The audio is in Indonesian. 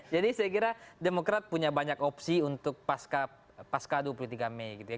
jadi saya kira demokrat punya banyak opsi untuk pasca dua puluh tiga mei gitu ya